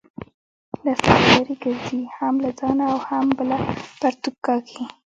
له سارا لري ګرځئ؛ هم له ځانه او هم بله پرتوګ کاږي.